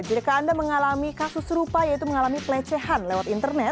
jika anda mengalami kasus serupa yaitu mengalami pelecehan lewat internet